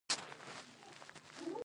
ټول ګاډي تېر شوي دي.